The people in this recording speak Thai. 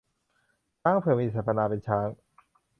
ช้างเผือก มีสรรพนามเป็นช้าง